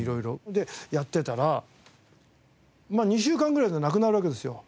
でやってたらまあ２週間ぐらいでなくなるわけですよ。